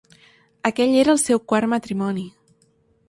Aquell era el seu quart matrimoni.